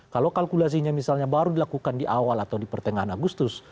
kalau kalkulasinya misalnya baru dilakukan di awal atau di pertengahan agustus